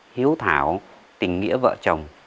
hiếu thảo tình nghĩa vợ chồng